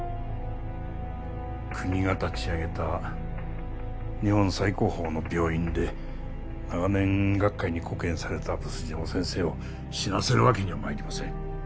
国が立ち上げた日本最高峰の病院で長年医学界に貢献された毒島先生を死なせるわけには参りません。